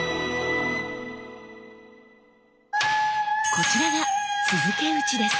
こちらが「続け打ち」です。